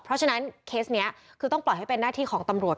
เพราะฉะนั้นเคสนี้คือต้องปล่อยให้เป็นหน้าที่ของตำรวจ